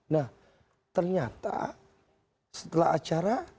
nah ternyata setelah acara